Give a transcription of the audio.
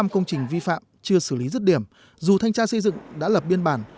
chín trăm linh công trình vi phạm chưa xử lý rứt điểm dù thanh tra xây dựng đã lập biên bản